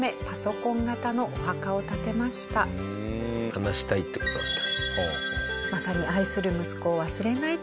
話したいって事なんだ。